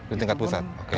di tingkat pusat oke